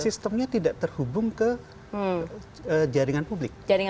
sistemnya tidak terhubung ke jaringan publik